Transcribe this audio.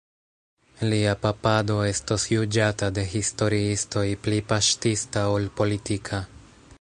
Lia papado estos juĝata de historiistoj pli paŝtista ol politika.